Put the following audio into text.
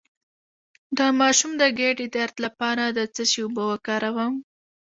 د ماشوم د ګیډې درد لپاره د څه شي اوبه وکاروم؟